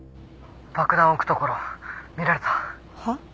「爆弾を置くところを見られた」は？